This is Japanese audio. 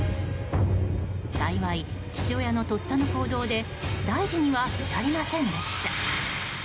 幸い、父親のとっさの行動で大事には至りませんでした。